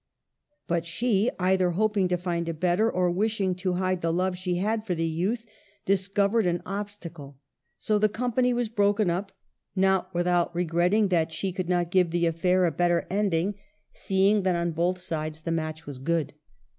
But she, either hoping to find a better, or wishing to hide the love she had for the youth, discovered an obstacle ; so the company was broken up, not without regretting that THE '' heptameron:' 231 she could not give the affair a better ending, seeing that on both sides the match was good.